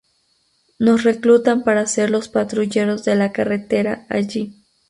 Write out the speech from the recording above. Nos reclutan para ser los patrulleros de la carretera allí.